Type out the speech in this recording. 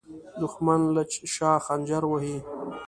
دښمن له شا خنجر وهي